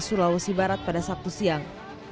sulawesi barat pada sabtu siang